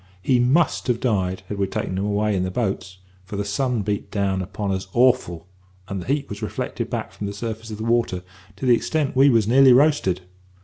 He must have died, had we taken him away in the boats, for the sun beat down upon us awful, and the heat was reflected back from the surface of the water to that extent we was nearly roasted.